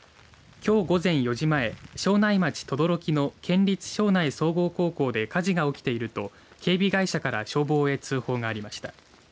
きょう午前４時前庄内町廿六木の県立庄内総合高校で火事が起きていると警備会社から消防へ通報がありました。